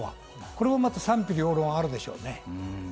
これもまた賛否両論あるでしょうね。